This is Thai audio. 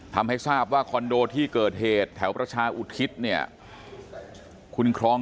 ทำให้ทราบว่าคอนโดที่เกิดเหตุแถวประชาอุทิศเนี่ยคุณครอง